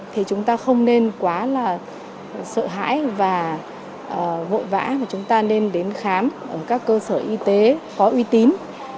thì chúng ta không nên quá là sợ hãi và vội vã mà chúng ta nên đến khám ở các cơ sở y tế có uy tín